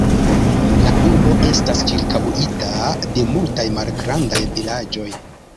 La urbo estas ĉirkaŭita de multaj malgrandaj vilaĝoj.